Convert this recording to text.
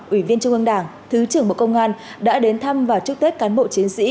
ủy viên trung ương đảng thứ trưởng bộ công an đã đến thăm và chúc tết cán bộ chiến sĩ